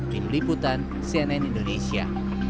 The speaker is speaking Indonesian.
tim liputan cnn indonesia